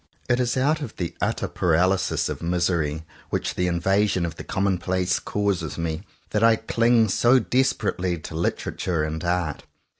It is out of the utter paralysis of misery which the invasion of the commonplace causes me, that I cling so desperately to Literature and Art.